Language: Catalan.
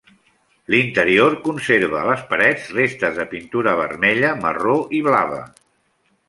L'interior conserva a les parets restes de pintura vermella, marró i blava.